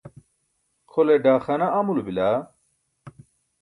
kʰole daaxaana amulo bila?